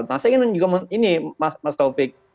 nah saya ingin juga ini mas taufik